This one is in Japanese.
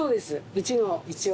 うちの一応。